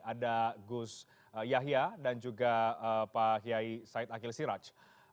ada gus yahya dan juga pak kiai said akhil siraj